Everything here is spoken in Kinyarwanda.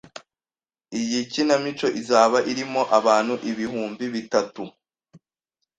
Iyi kinamico izaba irimo abantu ibihumbi bitatu